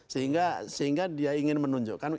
sehingga dia ingin menunjukkan